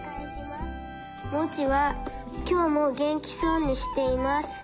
「モチはきょうもげんきそうにしています。